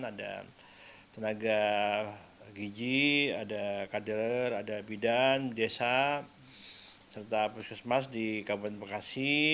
ada tenaga giji ada kader ada bidan desa serta puskesmas di kabupaten bekasi